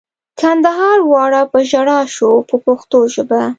کندهار واړه په ژړا شو په پښتو ژبه.